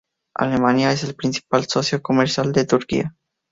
Alemania es el principal socio comercial de Turquía.